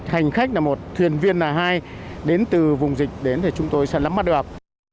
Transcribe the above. hành khách là một thuyền viên là hai đến từ vùng dịch đến thì chúng tôi sẽ lắm mắt được